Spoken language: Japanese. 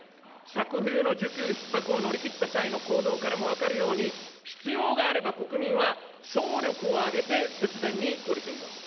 昨冬の需給ひっ迫を乗り切った際の行動からも分かるように、必要があれば国民は総力を挙げて節電に取り組みます。